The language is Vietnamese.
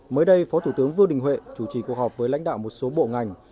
mới đây phó thủ tướng vương đình huệ chủ trì cuộc họp với lãnh đạo một số bộ ngành